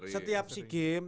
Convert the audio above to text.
setiap si game